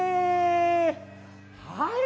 はい。